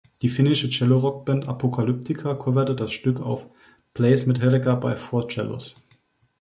Die finnische Cello-Rockband Apocalyptica coverte das Stück auf "Plays Metallica by Four Cellos".